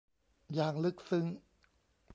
อย่างลึกซึ้ง